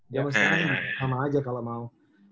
jaman sekarang sama aja kalo mau